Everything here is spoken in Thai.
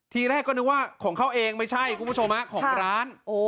ทีแรกก็นึกว่าของเขาเองไม่ใช่คุณผู้ชมของร้าน